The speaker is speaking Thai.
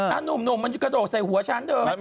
ถ้านุ่มมันจะกระโดดใส่หัวฉันเดิม